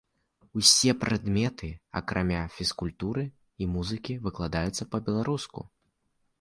Усе прадметы, акрамя фізкультуры і музыкі, выкладаюцца па-беларуску.